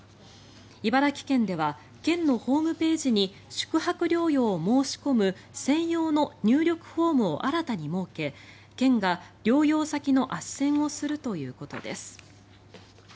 茨城県では県のホームページに宿泊療養を申し込む専用の入力フォームを新たに設け県が療養先のあっせんをするということです。